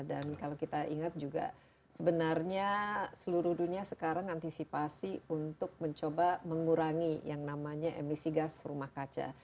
dan kalau kita ingat juga sebenarnya seluruh dunia sekarang antisipasi untuk mencoba mengurangi yang namanya emisi gas rumah kaca